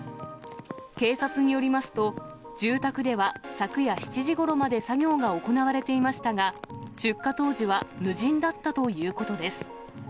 警察によりますと、住宅では昨夜７時ごろまで作業が行われていましたが、出火当時は無人だったということです。